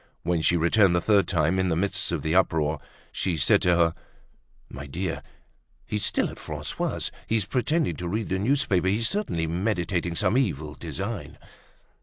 When she returned the third time, in the midst of the uproar, she said to her: "My dear, he's still at Francois's; he's pretending to read the newspaper. He's certainly meditating some evil design."